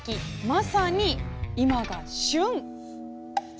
まさに今が旬！